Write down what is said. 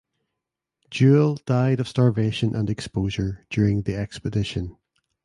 Jewell died of starvation and exposure during the expedition.